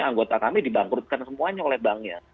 anggota kami dibangkrutkan semuanya oleh banknya